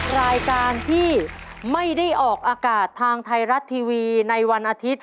รายการที่ไม่ได้ออกอากาศทางไทยรัฐทีวีในวันอาทิตย์